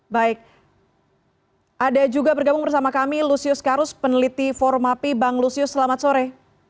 baik ada juga bergabung bersama kami lusius karus peneliti formapi bang lusius selamat sore